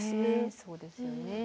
そうですよね。